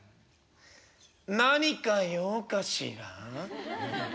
「何か用かしらぁ？」。